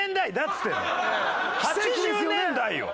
８０年代よ！